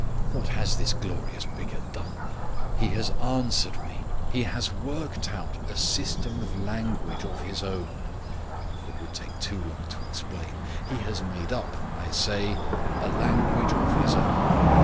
What has this glorious bigot done? He has answered me. He has worked out a system of language of his own (it would take too long to explain); he has made up, I say, a language of his own.